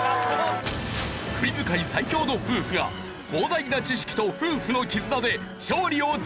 クイズ界最強の夫婦が膨大な知識と夫婦の絆で勝利をつかむか？